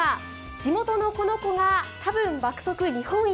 「地元のこの子がたぶん爆速日本一」